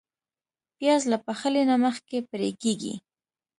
پیاز له پخلي نه مخکې پرې کېږي